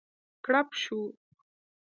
کړپ شو.